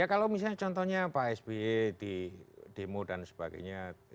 ya kalau misalnya contohnya pak sby di demo dan sebagainya